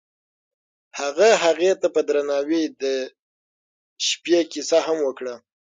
هغه هغې ته په درناوي د شپه کیسه هم وکړه.